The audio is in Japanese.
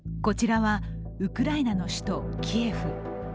こちらはウクライナの首都キエフ。